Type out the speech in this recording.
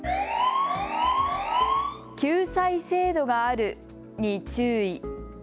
救済制度があるに注意。